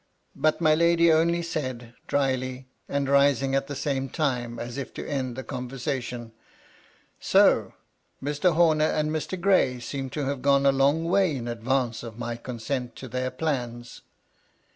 But my lady only said, drily, and rising at the same time, as if to end the conversation :" So ! Mr. Homer and Mr. Gray seem to have gone a long way in advance of my consent to their plans."